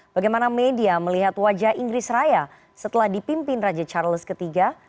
bagaimana media melihat wajah inggris raya setelah dipimpin raja charles iii